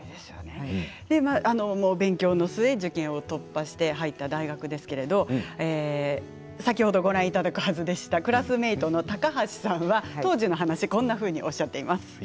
勉強の末、受験を突破して入った大学ですけども先ほどご覧いただくはずでしたクラスメートの高橋さんは当時の話をこんなふうにしています。